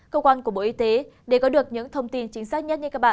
cơ quan của bộ y tế để có được những thông tin chính xác nhất như các bạn